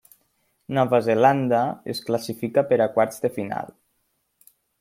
Nova Zelanda es classifica per quarts de final.